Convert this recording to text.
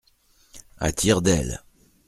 À tire d’aile.